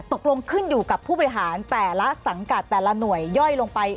ตกลงขึ้นอยู่กับผู้บริหารแต่ละสังกัดแต่ละหน่วยย่อยลงไป